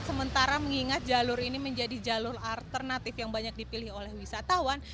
sementara mengingat jalur ini menjadi jalur alternatif yang banyak dipilih oleh wisatawan